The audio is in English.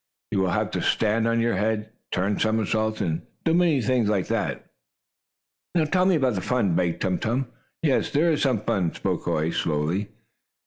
"You will have to stand on your head, turn somersaults and do many things like that." "Now tell me about the fun," begged Tum Tum. "Yes, there is some fun," spoke Hoy, slowly.